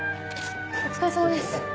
お疲れさまです。